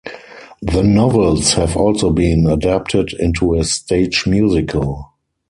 The novels have also been adapted into a stage musical.